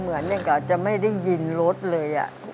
เหมือนกับจะไม่ได้ยินรถเลย